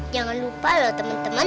jangan lupa loh teman teman